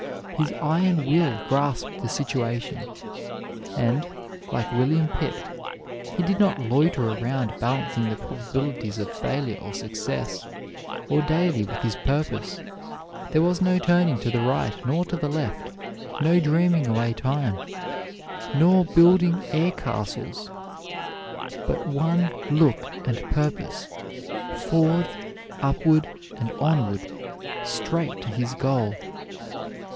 His iron will grasped the situation; and like William Pitt, he did not loiter around balancing the probabilities of failure or success, or dally with his purpose. There was no turning to the right nor to the left; no dreaming away time, nor building air castles; but one look and purpose, forward, upward and onward, straight to his goal.